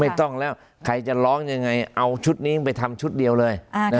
ไม่ต้องแล้วใครจะร้องยังไงเอาชุดนี้ไปทำชุดเดียวเลย